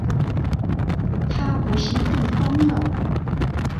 她不幸中风了